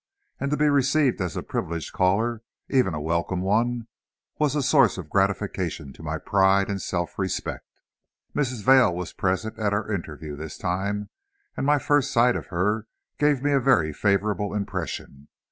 And to be received as a privileged caller, even a welcome one, was a source of gratification to my pride and self respect. Mrs. Vail was present at our interview this time, and my first sight of her gave me a very favorable impression.